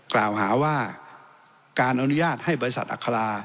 กล่าวหาว่าการอนุญาตให้บริษัทอัครา